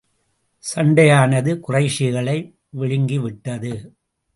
சண்டையானது குறைஷிகளை விழுங்கி விட்டது.